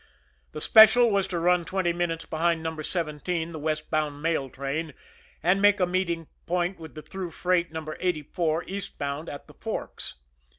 The Special was to run twenty minutes behind No. 17, the westbound mail train, and make a meeting point with the through freight, No. 84, eastbound, at The Forks.